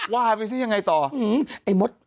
ว่าไปซิยังไงต่อไอ้มด